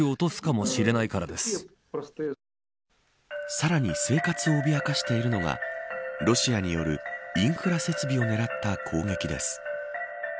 さらに生活を脅かしているのがロシアによるインフラ設備を狙った攻撃です。